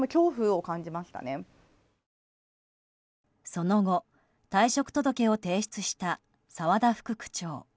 その後、退職届を提出した澤田副区長。